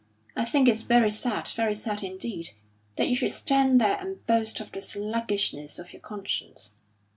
"I think it's very sad, very sad indeed, that you should stand there and boast of the sluggishness of your conscience.